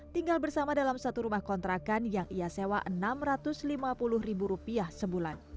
tinggal bersama dalam satu rumah kontrakan yang ia sewa rp enam ratus lima puluh ribu rupiah sebulan